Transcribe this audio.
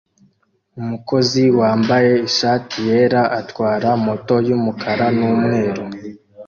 Umukozi wambaye ishati yera atwara moto yumukara numweru